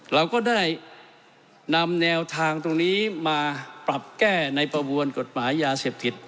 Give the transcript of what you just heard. เราก็ได้นำแนวทางตรงนี้มาปรับแก้ในประมวลกฎหมายยาเสพติด